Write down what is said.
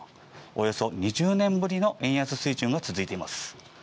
およそ２０年ぶりの円安水準が続いています。